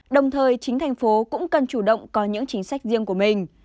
đồng thời chính thành phố cũng cần chủ động có những chính sách riêng của mình